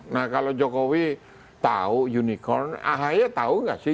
nah kalau jokowi tahu unikorn ahy nya tahu gak sih